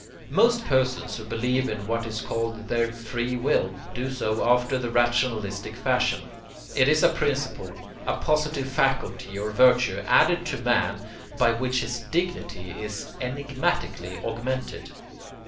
Most persons who believe in what is called their free will do so after the rationalistic fashion. It is a principle, a positive faculty or virtue added to man, by which his dignity is enigmatically augmented.